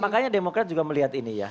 makanya demokrat juga melihat ini ya